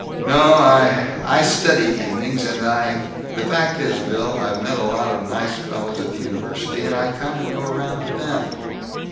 "No, I I study, evenings. And I The fact is, Bill, I've met a lot of nice fellows at the university and I kind of go around with them."